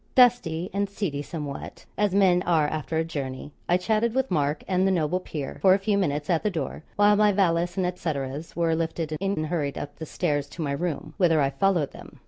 Dusty and seedy somewhat, as men are after a journey, I chatted with Mark and the noble peer for a few minutes at the door, while my valise and et ceteras were lifted in and hurried up the stairs to my room, whither I followed them.